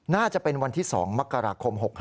น่าจะเป็นวันที่๒มกราคม๖๕